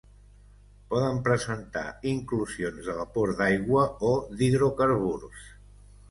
Poden presentar inclusions de vapor d'aigua o d'hidrocarburs.